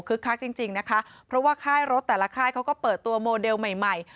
คักจริงนะคะเพราะว่าค่ายรถแต่ละค่ายเขาก็เปิดตัวโมเดลใหม่ใหม่